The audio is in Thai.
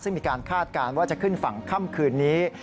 ซึ่งมีการคาดการณ์ว่าจะขึ้นฝั่งค่ำคืนนี้